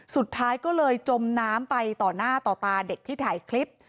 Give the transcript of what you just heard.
สุดท้ายก็เลยจมน้ำไปต่อหน้าต่อตาเด็กที่ถ่ายคลิป